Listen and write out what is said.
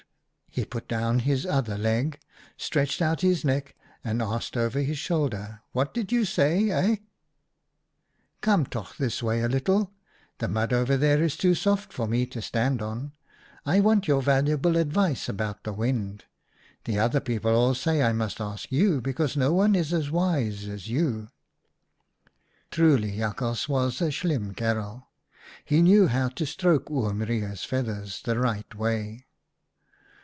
He put down his other leg, stretched out his neck, and asked over his shoulder, * What did you say, eh ?'"( Come toch this way a little ; the mud over there is too soft for me to stand on. I want your valuable advice about the wind. The other people all say I must ask you, because no one is as wise as you.' " Truly Jakhals was a slim kerel ! He knew how to stroke Oom Reijer's feathers the right way.